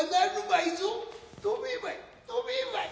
飛べまい。